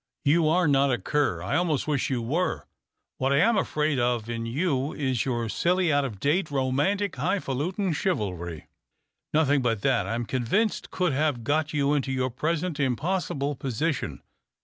You are not a cur, I almost wish you were. What I am afraid of in you is your silly, out of date, romantic, high falutin chivalry. Nothinoj but that, I am convinced, could have got you into your present impossible position.